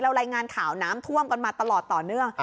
รายงานข่าวน้ำท่วมกันมาตลอดต่อเนื่อง